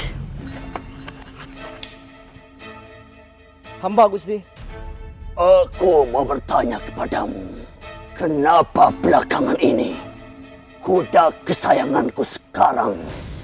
hai hamba gusti aku mau bertanya kepadamu kenapa belakangan ini kuda kesayanganku sekarang